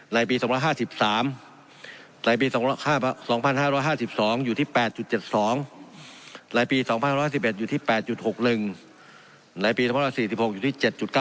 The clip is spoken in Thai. ในปี๒๕๓ในปี๒๕๕๒อยู่ที่๘๗๒ในปี๒๕๕๑อยู่ที่๘๖๑ในปี๒๔๖อยู่ที่๗๙